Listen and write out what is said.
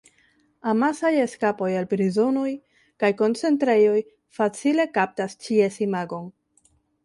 Amasaj eskapoj el prizonoj kaj koncentrejoj facile kaptas ĉies imagon.